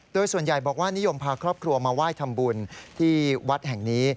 โดยส่วนใหญ่บอกว่านิยมพาครอบครัวมาไหว้ทำบุญที่วัดแห่งนี้